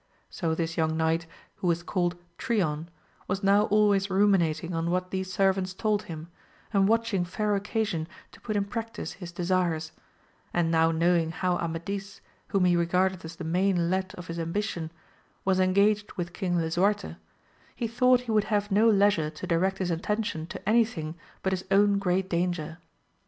So this young knight who was called Trion was now always ruminating on what these servants told him, and watching fair occasion to put in practice his desires, and now Imowing how Amadis, whom he regarded as the main let of his ambition, was engaged with King Lisuarte, he thought he would have no leisure to direct his attention to any thing but his own great danger.